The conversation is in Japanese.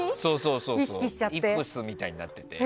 イップスみたいになってて。